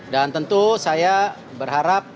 dan tentu saya berharap